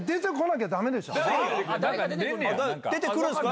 出てくるんですか？